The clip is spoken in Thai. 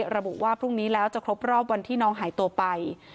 ระบุว่าพรุ่งนี้แล้วจะครบรอบวันที่น้องหายตัวไป